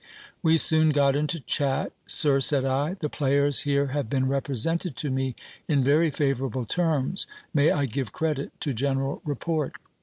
We soon got into chat. Sir, said I, the players here have been represented to me in very favourable terms : may I give credit to general report?